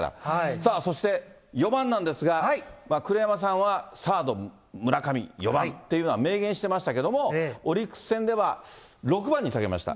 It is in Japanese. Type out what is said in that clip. さあ、そして４番なんですが、栗山さんは、サード、村上、４番っていうのは明言してましたけども、オリックス戦では６番に下げました。